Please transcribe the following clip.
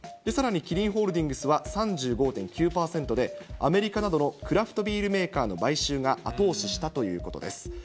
さらにキリンホールディングスは３５．９％で、アメリカなどのクラフトビールメーカーの買収が後押ししたということです。